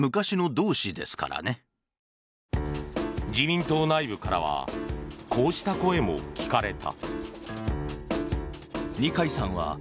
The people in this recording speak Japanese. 自民党内部からはこうした声も聞かれた。